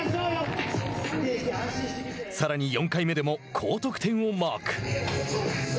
さらに、４回目でも高得点をマーク。